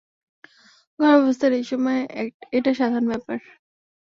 গর্ভাবস্থার এই সময়ে এটা সাধারণ ব্যাপার।